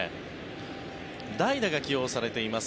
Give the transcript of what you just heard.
代打が起用されています。